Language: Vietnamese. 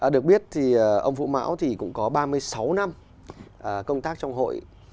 được biết thì ông vũ mão thì cũng có ba mươi sáu năm công tác trong hội